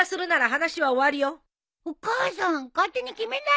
お母さん勝手に決めないでよ。